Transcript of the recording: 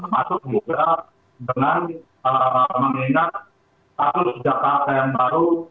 maksudnya dengan mengingat satu sejak kata yang baru